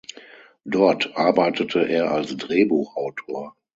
Dort arbeitete er als Drehbuchautor.